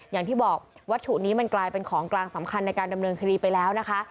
อย่างที่บอกวัตถุนี้มันกลายเป็นของกลางสำคัญในการดำเนินคดีไปแล้วนะคะ